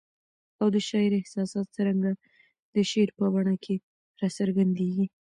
او د شاعر احساسات څرنګه د شعر په بڼه کي را څرګندیږي؟